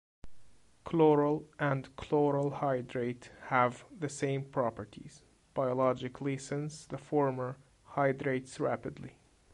Chloral and chloral hydrate have the same properties biologically since the former hydrates rapidly.